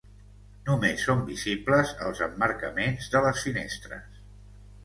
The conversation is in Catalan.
Només són visibles els emmarcaments de les finestres.